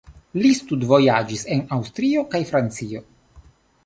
Li studvojaĝis en Aŭstrio kaj Francio.